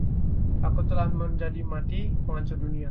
Aku telah menjadi mati, penghancur dunia.